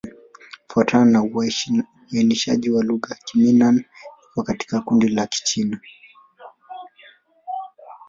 Kufuatana na uainishaji wa lugha, Kimin-Nan iko katika kundi la Kichina.